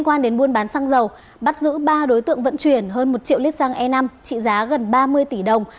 quan đến buôn bán xăng dầu bắt giữ ba đối tượng vận chuyển hơn một triệu lít xăng e năm trị giá gần ba mươi tỷ đồng